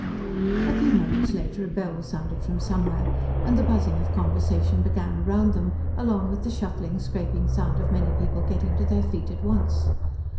A few moments later a bell sounded from somewhere, and the buzzing of conversation began around them, along with the shuffling, scraping sound of many people getting to their feet at once.